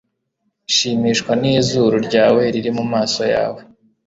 shimishwa nizuru ryawe riri mumaso yawe